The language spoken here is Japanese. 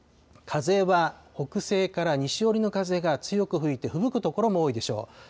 風は北西から西寄りの風が強く吹いて、ふぶく所も多いでしょう。